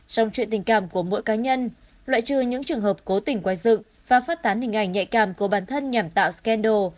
trong chuyện tình cảm của mỗi cá nhân loại trừ những trường hợp cố tình quay dựng và phát tán hình ảnh nhạy cảm của bản thân nhằm tạo scander